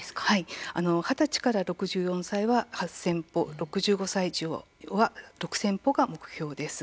二十歳から６４歳は８０００歩６５歳以上は６０００歩が目標です。